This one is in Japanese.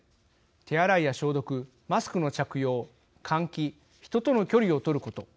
手洗いや消毒マスクの着用、換気人との距離を取ること